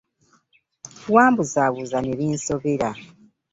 Wambuzabuza nebinsobera.